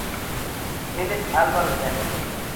El es Alvaro Llanes.